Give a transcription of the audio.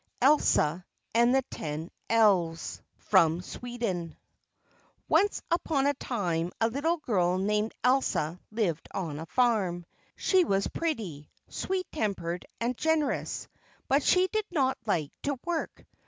ELSA AND THE TEN ELVES From Sweden Once upon a time a little girl named Elsa lived on a farm. She was pretty, sweet tempered, and generous, but she did not like to work.